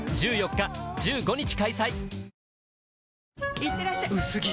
いってらっしゃ薄着！